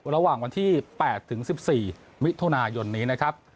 ระหว่างวันที่๘ถึง๑๔มิถุนายนนี้นะครับ